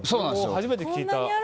初めて聞いた。